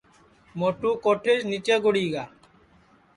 موٹو کوٹھیس نیچے گُڑی گا